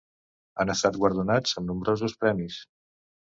Han estat guardonats amb nombrosos premis.